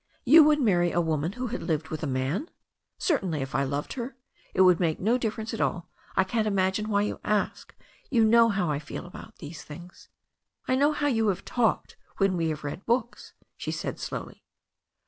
'You would marry a woman who had lived with a man?" 'Certainly, if I loved her. It would make no difference at all. I can't imagine why you ask. You know how I feel about these things." "I know how you have talked when we have read books," she said slowly.